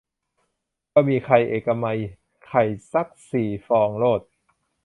บะหมี่ไข่เอกมัย ไข่ซักสี่ฟองโลด